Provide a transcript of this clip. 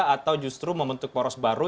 atau justru membentuk poros baru